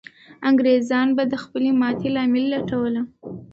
انګریزان به د خپلې ماتې لامل لټوله.